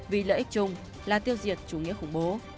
vì lợi ích chung là tiêu diệt chủ nghĩa khủng bố